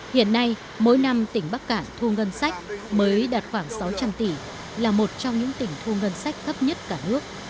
hiện nay mỗi năm tỉnh bắc cạn thu ngân sách mới đạt khoảng sáu trăm linh tỷ là một trong những tỉnh thu ngân sách thấp nhất cả nước